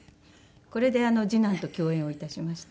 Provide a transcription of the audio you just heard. これで次男と共演を致しました。